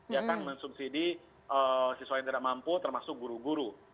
ya kan mensubsidi siswa yang tidak mampu termasuk guru guru